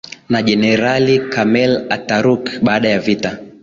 na jenerali Kemal Ataturk baada ya vita